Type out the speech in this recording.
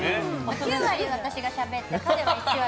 ８割は私がしゃべって彼は１割。